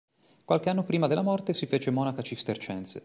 Qualche anno prima della morte si fece monaca cistercense.